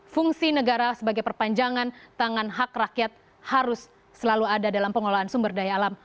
fungsi negara sebagai perpanjangan tangan hak rakyat harus selalu ada dalam pengelolaan sumber daya alam